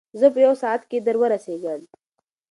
زه به په یو ساعت کې در ورسېږم.